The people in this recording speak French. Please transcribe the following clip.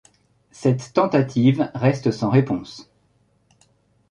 Cette tentative reste sans réponse.